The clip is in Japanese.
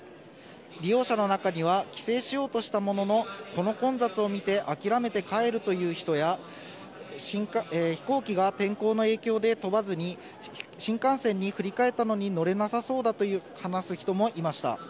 利用者の中には、帰省しようとしたものの、この混雑を見て諦めて帰るという人や、飛行機が天候の影響で飛ばずに、新幹線に振り替えたのに乗れなさそうだと話す人もいました。